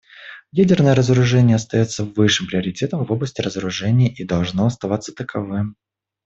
Ядерное разоружение остается высшим приоритетом в области разоружения и должно оставаться таковым.